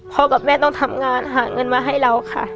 กับแม่ต้องทำงานหาเงินมาให้เราค่ะ